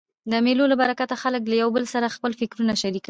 د مېلو له برکته خلک له یو بل سره خپل فکرونه شریکوي.